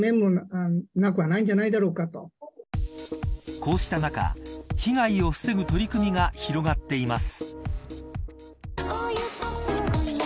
こうした中被害を防ぐ取り組みが広がっています。